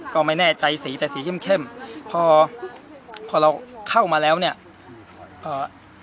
ก็ไม่แน่ใจสีแต่สีเข้มพอเราเข้ามาแล้วเนี่ย